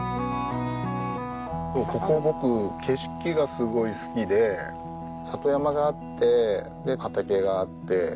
ここ僕景色がすごい好きで里山があって畑があって。